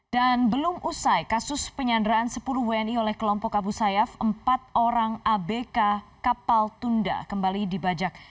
dan belum usai kasus penyanderaan sepuluh wni oleh kelompok abu sayyaf empat orang abk kapal tunda kembali dibajak